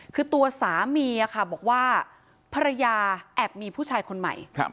คือตัวสามีบอกว่าภรรยาแอบมีผู้ชายคนใหม่